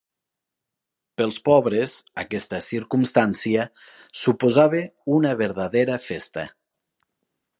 Pels pobres aquesta circumstància suposava una verdadera festa.